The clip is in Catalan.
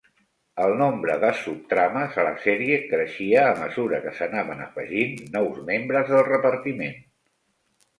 El nombre de subtrames a la sèrie creixia a mesura que s'anaven afegint nous membres del repartiment.